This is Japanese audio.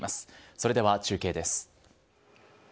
それでは中継です。